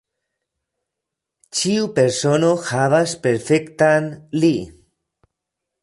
Ĉiu persono havas perfektan "li".